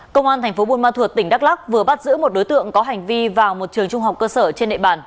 cơ quan công an tp cà mau tỉnh đắk lắc vừa bắt giữ một đối tượng có hành vi vào một trường trung học cơ sở trên địa bàn